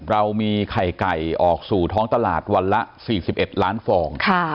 เรามีไข่ไก่ออกสู่ท้องตลาดวันละ๔๑ล้านฟอง